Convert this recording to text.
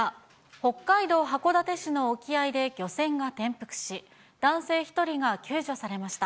北海道函館市の沖合で漁船が転覆し、男性１人が救助されました。